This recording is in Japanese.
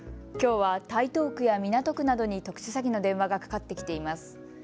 きょうは台東区や港区などに特殊詐欺の電話がかかってきています。